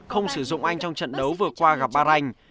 không sử dụng anh trong trận đấu vừa qua gặp ba rành